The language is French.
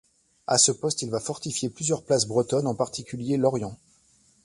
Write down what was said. À ce poste, il va fortifier plusieurs places bretonnes, en particulier Lorient.